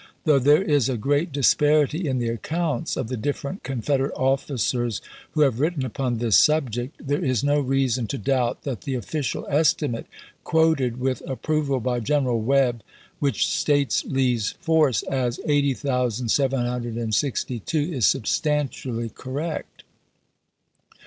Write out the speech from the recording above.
Though there is a great disparity in the accounts of the different Confed erate officers who have written upon this subject, there is no reason to doubt that the official estimate quoted with approval by General Webb, which states Lee's force as 80,762, is substantially correct.